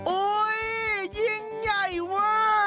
โอ๊ยยิงใหญ่วะ